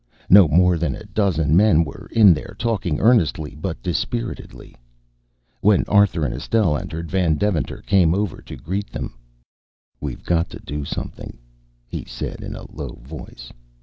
No more than a dozen men were in there talking earnestly but dispiritedly. When Arthur and Estelle entered Van Deventer came over to greet them. "We've got to do something," he said in a low voice.